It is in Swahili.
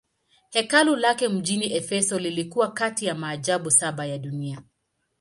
Hekalu lake mjini Efeso lilikuwa kati ya maajabu saba ya dunia.